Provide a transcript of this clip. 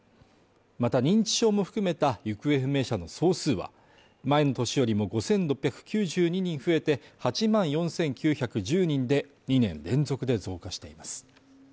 また認知症も含めた行方不明者の総数は、前の年よりも５６９２人増えて８万４９１０人で、２年連続で増加しています。